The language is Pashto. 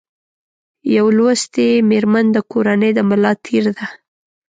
یو لوستي مېرمن د کورنۍ د ملا تېر ده